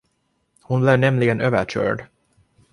Hon blev nämligen överkörd.